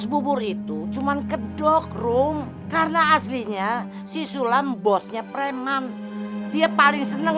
bubur itu cuma kedokrum karena aslinya si sulam bosnya premam dia paling seneng